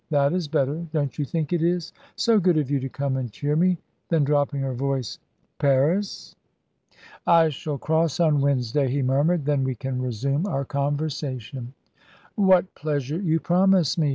"That is better! Don't you think it is? So good of you to come and cheer me!" Then, dropping her voice, "Paris?" "I shall cross on Wednesday," he murmured; "then we can resume our conversation." "What pleasure you promise me!"